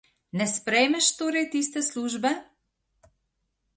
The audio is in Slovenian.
Ne sprejmeš torej tiste službe?